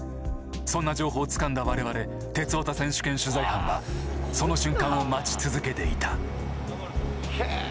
そんな情報をつかんだ我々「鉄オタ選手権」取材班はその瞬間を待ち続けていた。